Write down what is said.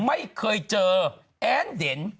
ไม่เคยเจอแอ้นเด่น